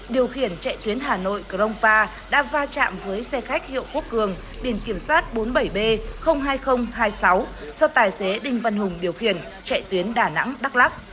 điều khiển chạy tuyến hà nội crongpa đã va chạm với xe khách hiệu quốc cường biển kiểm soát bốn mươi bảy b hai nghìn hai mươi sáu do tài xế đinh văn hùng điều khiển chạy tuyến đà nẵng đắk lắc